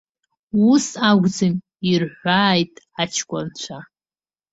Ус акәӡам, ирҳәааит, аҷкәынцәа.